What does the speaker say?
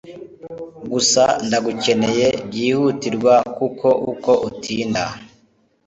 gusa ndagukeneye byihutirwa kuko uko utinda